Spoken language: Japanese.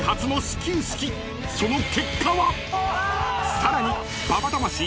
［さらに］